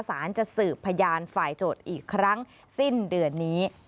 สารจะสืบพยานฝ่ายโจทย์อีกครั้งสิ้นเดือนนี้